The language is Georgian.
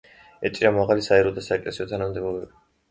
ეჭირა მაღალი საერო და საეკლესიო თანამდებობები.